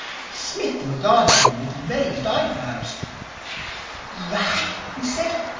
Psmith regarded him with raised eyebrows. 'Rag!' he said.